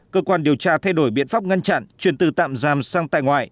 cơ quan điều tra thay đổi biện pháp ngăn chặn chuyển từ tạm giam sang tại ngoại